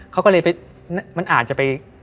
เขาก็เลยไปมันอาจจะไป